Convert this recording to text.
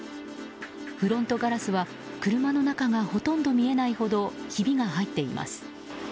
フロントガラスは車の中がほとんど見えないほどひびが入っています。